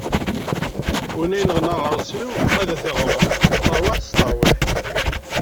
Win ara yenɣen aɣersiw, ad t-iɣrem: Taṛwiḥt s teṛwiḥt.